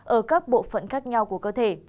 ở các bộ phận khác nhau của cơ thể